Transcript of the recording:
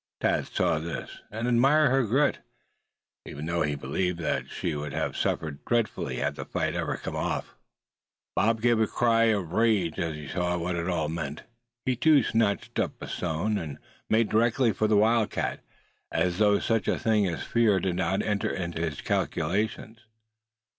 Thad saw this, and admired her grit, even though he believed that she would have suffered dreadfully, had the fight ever come off. Bob gave a cry of rage as he saw what it all meant. He too snatched up a stone, and made directly for the wildcat, as though such a thing as fear did not enter into his calculations.